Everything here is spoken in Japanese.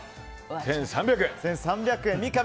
１３００円！